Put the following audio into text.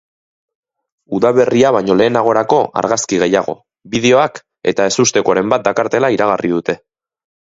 Udaberria baino lehenagorako argazki gehiago, bideoak eta ezustekoren bat dakartela iragarri dute.